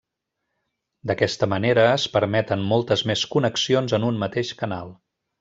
D'aquesta manera es permeten moltes més connexions en un mateix canal.